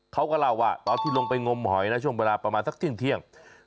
เขาก็เล่าว่าตอนที่ลงไปงมหอยนะช่วงเวลาประมาณสักเที่ยง